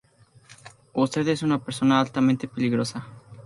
Usted es una persona altamente peligrosa.